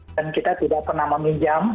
dan kita tidak pernah meminjam